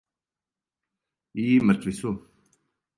И мртви су.